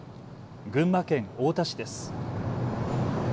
群馬県太田市です。